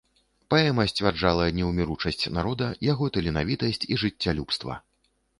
Паэма сцвярджала неўміручасць народа, яго таленавітасць і жыццялюбства.